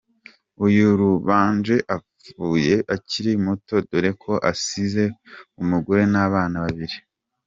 Uyu Rubanje apfuye akiri muto dore ko asize umugore n’abana babili.